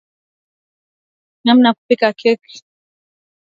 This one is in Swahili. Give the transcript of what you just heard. namna ya kupika keki